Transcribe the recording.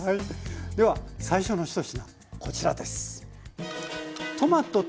では最初の１品こちらです。